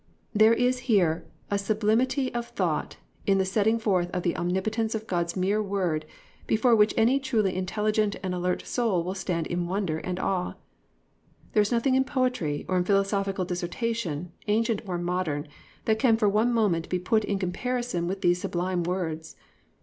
There is here a sublimity of thought in the setting forth of the omnipotence of God's mere word before which any truly intelligent and alert soul will stand in wonder and awe. There is nothing in poetry or in philosophical dissertation, ancient or modern, that can for one moment be put in comparison with these sublime words.